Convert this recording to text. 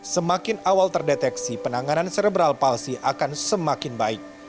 semakin awal terdeteksi penanganan serebral palsi akan semakin baik